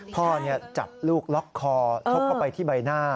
พ่อจับลูกล็อกคอชกเข้าไปที่ใบหน้า